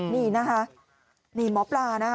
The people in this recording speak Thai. นี่นะคะนี่หมอปลานะคะ